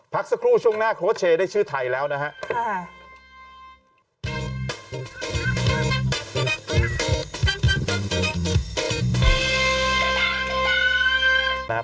พักสักครู่ช่วงหน้าโค้ชเชย์ได้ชื่อไทยแล้วนะครับ